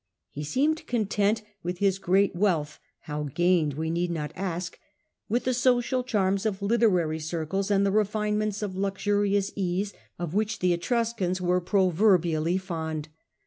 He seemed content with his great wealth (how gained we need not ask), with the social charms of literary circles and the refinements of luxu rious ease, of which the Etruscans were proverbially fond.